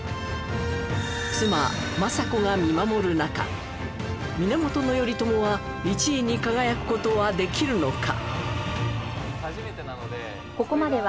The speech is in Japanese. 妻政子が見守る中源頼朝は１位に輝く事はできるのか？